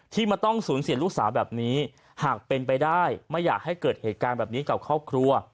มาต้องสูญเสียลูกสาวแบบนี้หากเป็นไปได้ไม่อยากให้เกิดเหตุการณ์แบบนี้กับครอบครัว